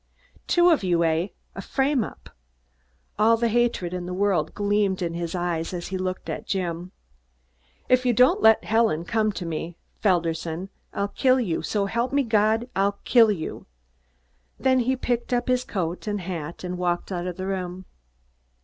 "Two of you eh? A frame up." All the hatred in the world gleamed in his eyes, as he looked at Jim. "If you don't let Helen come to me, Felderson, I'll kill you; so help me God, I'll kill you!" Then he picked up his coat and hat and walked out of the room.